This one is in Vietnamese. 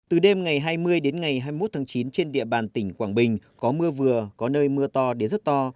từ đêm ngày hai mươi đến ngày hai mươi một tháng chín trên địa bàn tỉnh quảng bình có mưa vừa có nơi mưa to đến rất to